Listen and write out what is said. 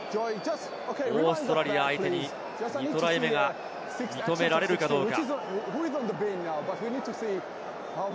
オーストラリア相手に２トライ目が認められるかどうか。